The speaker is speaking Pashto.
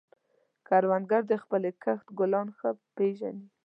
کروندګر د خپلې کښت ګلان ښه پېژني